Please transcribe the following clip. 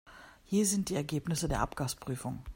Hier sind die Ergebnisse der Abgasprüfung.